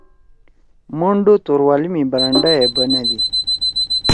منڈُو توروالی می برانڈا یے بندی۔